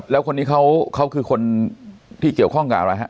แล้วคนนี้เขาคือคนที่เกี่ยวข้องกับอะไรฮะ